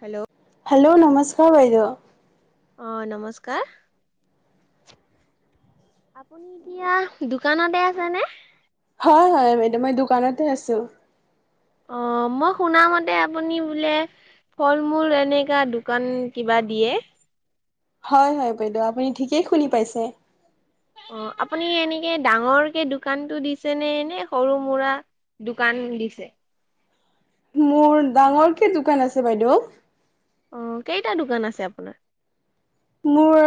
Hello. Hello নমস্কাৰ বাইদেউ। অ নমস্কাৰ। আপুনি এতিয়া দোকানতে আছে নে? হয় হয় বাইদেউ মই দোকানতে আছো। অ মই শুনামতে আপুনি বোলে। ফল মূল এনেকা দোকান কিবা দিয়ে। হয় হয় বাইদেউ আপুনি ঠিকেই শুনি পাইছে। অ আপুনি এনেকে ডাঙৰকে দোকানটো দিছে নে এনে সৰু সুৰা। দোকান দিছে। মোৰ ডাঙৰ কি দোকান আছে বাইদেউ। অ কেইটা দোকান আছে আপোনাৰ। মোৰ।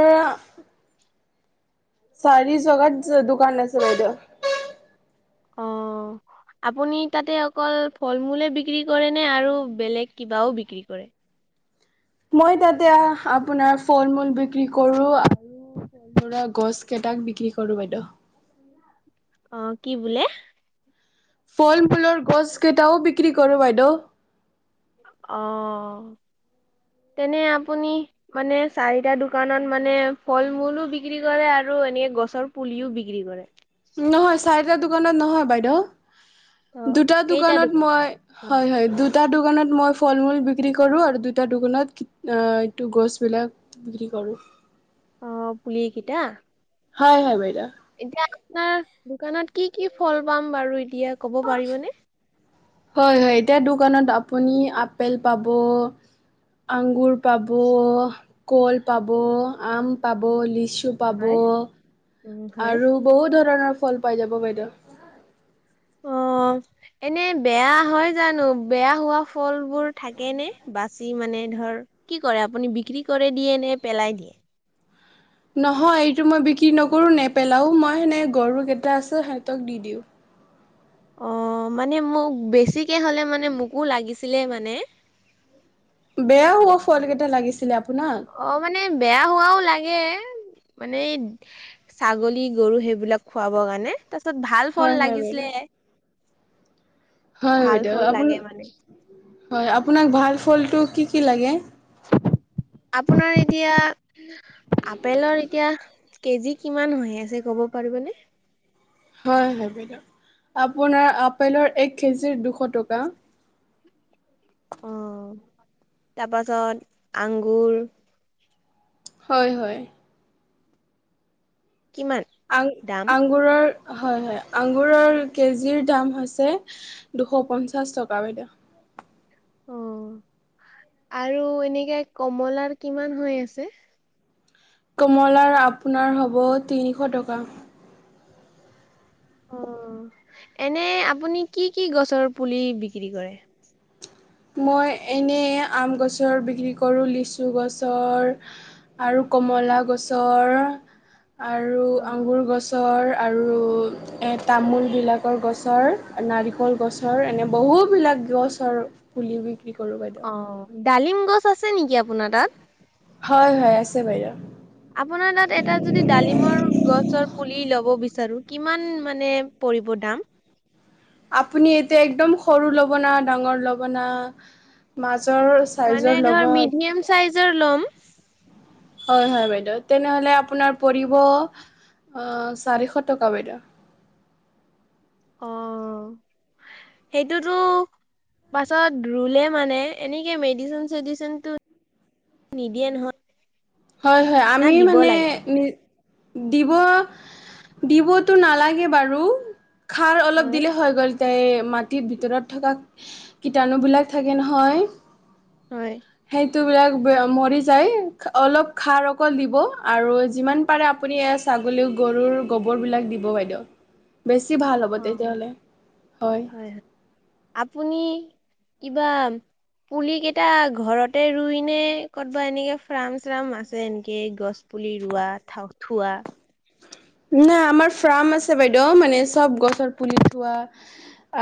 চাৰি জগাত দুকান আছে বাইদেউ। অ। আপুনি তাতে অকল ফল মূলে বিক্ৰী কৰে নে আৰু বেলেগ কিবাও বিক্ৰী কৰে? মই তাতে আপোনাৰ ফল মূল বিক্ৰী কৰো, আৰু গছ কেইটাক বিক্ৰী কৰো বাইদেউ। অ কি বোলে? ফল মূলৰ গছকেইটাও বিক্ৰী কৰোঁ বাইদেউ। অ। তেনে আপুনি মানে চাৰিটা দোকানত মানে ফল মূলো বিক্ৰী কৰে আৰু এনে গছৰ পুলিও বিক্ৰী কৰে? সেইবিলাক দোকানত নহয়, বাইদেউ দুটা কেইটা দোকানত দোকান? মই হয় হয় দুটা দোকানত মই ফল মূল বিক্ৰী কৰো, আৰু দুইটা দোকানত এইটো গছ বিলাক বিক্ৰী কৰো। উফ। অ পুলি কিটা। হয় হয় বাইদেউ। এতিয়া আপোনাৰ দোকানত কি কি ফল পাম বাৰু এতিয়া ক'ব পাৰিবনে? হয় হয় এতিয়া দোকানত আপুনি আপেল পাব। আগুৰ পাব, কল পাব, আম পাব, লিচু পাব হয়, উম হয়। আৰু বহুত ধৰণৰ ফল পাই যাব বাইদেউ। [inaudible] অ এনে বেয়া হয় জানো? বেয়া হোৱা ফলবোৰ থাকে নে? বাচি মানে ধৰ কি কৰে আপুনি বিক্ৰী কৰে দিয়ে নে পেলাই দিয়ে? নহয় এইটো মই বিক্ৰী নকৰোঁ নেপেলাও মই এনে গৰু কেইটা আছে সিহঁতক দি দিওঁ। অ মানে মোক বেছিকে হলে মানে মোকো লাগিছিলে মানে। বেয়া হব ফল কেইটা লাগিছিলে আপোনাক অ মানে বেয়া হোৱাও লাগে। মানে ছাগলী গৰু সেইবিলাক খুৱাবৰ কাৰণে, তাৰপিছত ভাল হয় ফল হয় বাইদেউ লাগিছিলে হয় হয় ভাল বাইদেউ ফল আপোন লাগে মানে হয় আপোনাক ভাল ফলটো কি কি লাগে। আপোনাৰ এতিয়া আপেলৰ এতিয়া কেজি কিমান হৈ আছে ক'ব। পাৰিব নে। [inaudible] হয় হয় বাইদেউ আপোনাৰ আপেলৰ এক কেজিৰ দুশ টকা। অ তাৰপাছত আঙুৰ হয় হয়। কিমান আং দাম আঙুৰৰ হয় হয় আঙুৰৰ কেজিৰ দাম হৈছে দুশ পঞ্চাছ টকা বাইদেউ। অ আৰু এনেকে কমলাৰ কিমান হৈ আছে? কমলাৰ আপোনাৰ হ'ব তিনিশ টকা। অ এনে আপুনি কি কি গছৰ পুলি বিক্ৰী কৰে? মই এনেই আম গছৰ বিক্ৰী কৰোঁ লিচু গছৰ আৰু কমলা গছৰ আৰু অ আঙুৰ গছৰ আৰু তামোলবিলাকৰ গছৰ নাৰিকল গছৰ এনে বহুবিলাক গছ আৰু পুলিব অ ডালিম গছ আছে নেকি আপোনাৰ তাত? হয় হয় আছে বাইদেউ। আপোনাৰ তাত এটা যদি ডালিমৰ গছৰ পুলি লব বিচাৰো কিমান মানে পৰিব দাম? আপুনি এতিয়া একদম সৰু লব না ডাঙৰ লব না মাজ মাজৰ মানে চাইজৰ ধৰ লব হয় মিডিয়াম চাইজৰ ল'ম। হয়। তেনেহলে আপোনাৰ পৰিব, অ চাৰিশ টকা বাইদেউ। অ সেইটোতো পাছত ৰুলে মানে এনেকে মেডিচিন চেডিচিন টো নিদিয়ে নহয়। হয় হয় না আমি দিব মানে লাগে? নি দিব দিবতো নালাগে বাৰু খাৰ অলপ হয়। দিলে হৈ গ'ল। তাই মাটিত ভিতৰত থকা কীটাণু বিলাক থাকে নহয়। হয়। সেইটো বিলাক মৰি যায়। অলপ খাৰ অকল দিব। আৰু যিমান পাৰে আপুনি ছাগলী গৰুৰ গোবৰবিলাক দিব। বেচি ভাল হব অ', তেতিয়া হলে হয়। আপুনি কিবা। পুলি কেইটা ঘৰতে ৰুই নে কতবা এনেকে ফ্ৰাম চ্ৰাম আছে এনেকে গছ পুলি ৰোৱা থা থোৱা নাই আমাৰ ফাৰ্ম আছে বাইদেউ। মানে চব গছৰ পুলি থোৱা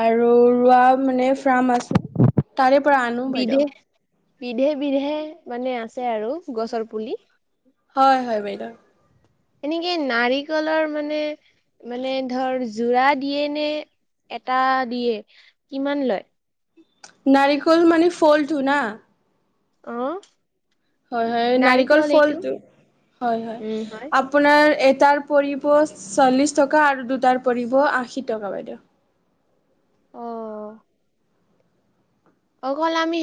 আৰু ৰোৱা মানে ফাৰ্ম আছে। তাৰে পৰা আনো বিধে বাইদেউ। বিধে বিধে মানে আছে আৰু গছৰ পুলি। হয় হয় বাইদেউ এনেকে নাৰিকলৰ মানে মানে ধৰ যোৰা দিয়ে নে এটা দিয়ে কিমান লয়? নাৰিকল মানে ফল টো না। আহ হয় হয় নাৰিকল ফল হয় হয় আপোনাৰ এটাৰ পৰিব চল্লিশ টকা আৰু দুটাৰ পৰিব আশী টকা বাইদেউ। আহ অকল আমি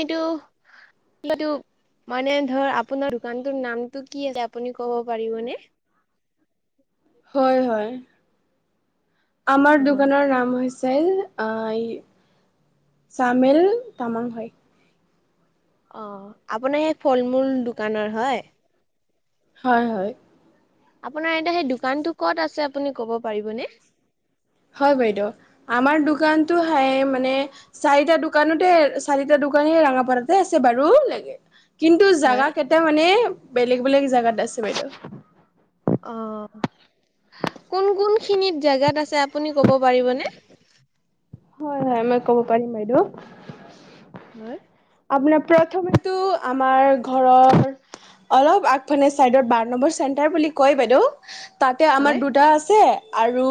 সেই সিটো। মানে ধৰ আপোনাৰ দোকানটোৰ নামটো কি কব পাৰিব নে? হয় হয় আমাৰ অ দোকানৰ নাম হৈছে আহ চামেল তামাং হয়। অ আপোনাৰ সেই ফল মুল দোকানৰ হয়। হয় হয়। আপোনাৰ এ সেই দোকানটো ক'ত আছে আপুনি কব পাৰিবনে? হয়, বাইদেউ আমাৰ দোকানতো হাই মানে চাৰিটা দোকানতে চাৰিটা দোকানী ৰাঙাপাৰাতে আছে বাৰু লাগে কিন্তু হয় জেগা কেইটা মানে বেলেগ- বেলেগ জাগাত আছে বাইদেউ। অহ। কোন -কোন খিনিত জেগাত আছে আপুনি ক'ব পাৰিবনে? হয়', হয়', মই ক'ব পাৰিম বাইদেউ। হয়। আপোনাৰ প্ৰথমেটো আমাৰ ঘৰৰ অলপ আগফানে চাইডত বাৰ নম্বৰ চেণ্টাৰ বুলি কয় বাইদেউ তাতে হয় আমাৰ দুটা আছে আৰু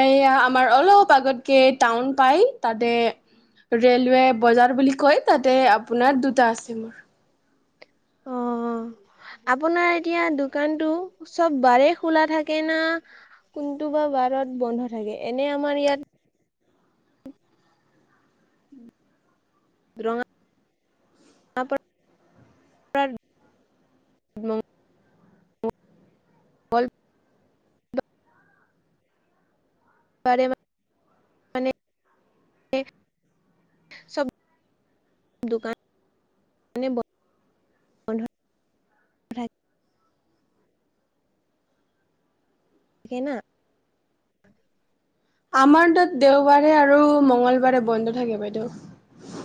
এয়া আমাৰ অলপ আগতকে টাউন পাই তাতে ৰেলৱে বজাৰ বুলি কয় তাতে আপোনাৰ দুটা আছে মোৰ। অ', [inaudible] আপোনাৰ এতিয়া দোকানটো চব বাৰেই খোলা থাকে না? কোনটো বা বাৰত বন্ধ থাকে? এনে আমাৰ ইয়াত ৰঙা [inaudible] বল বাৰে মানে চব দোকান [unintelligible] হে না আমাৰ তাত দেওবাৰে আৰু মঙ্গলবাৰে বন্ধ থাকে বাইদেউ। [inaudible]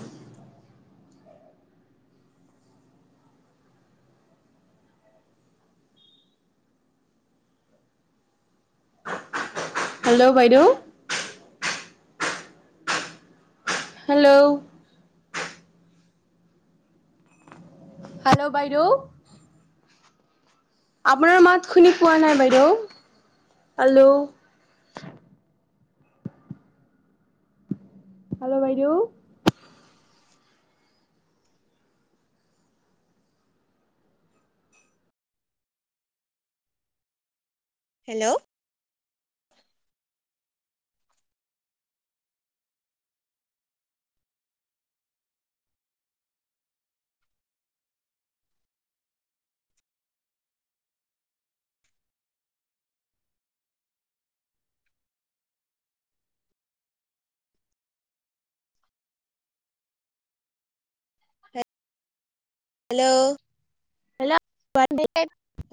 হেল্ল', বাইদেউ। হেল্ল', হেল্ল', বাইদেউ। আপোনাৰ মাত শুনি পোৱা নাই বাইদেউ হেল্লো', হেল্ল', বাইদেউ। Hello, hello, hello, [unintelligible]